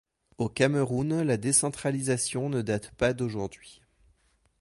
Au Cameroun la décentralisation ne date pas d'aujourd'hui.